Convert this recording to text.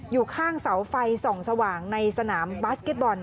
อยู่ข้างเสาไฟส่องสว่างในสนามบาสเก็ตบอล